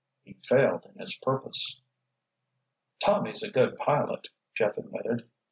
He failed in his purpose. "Tommy's a good pilot," Jeff admitted.